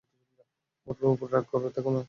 ওর উপর রাগ করে থেকো না।